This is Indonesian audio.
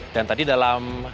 dan tadi dalam